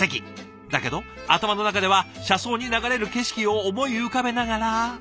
だけど頭の中では車窓に流れる景色を思い浮かべながら。